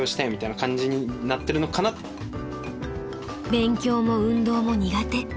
［勉強も運動も苦手］